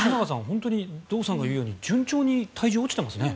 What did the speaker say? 本当に堂さんが言うように順調に体重が落ちてますね。